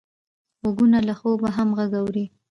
غوږونه له خوبه هم غږ اوري